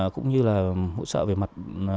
cũng như là hỗ trợ về mặt